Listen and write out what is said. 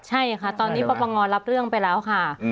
ใช่ค่ะตอนนี้ปปงรับเรื่องไปแล้วค่ะ